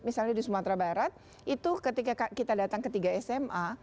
misalnya di sumatera barat itu ketika kita datang ke tiga sma